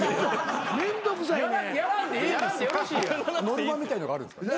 ノルマみたいのがあるんですか？